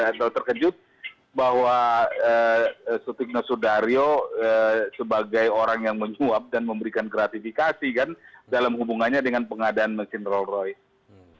atau terkejut bahwa sutikno sudaryo sebagai orang yang menyuap dan memberikan gratifikasi kan dalam hubungannya dengan pengadaan mesin roll royce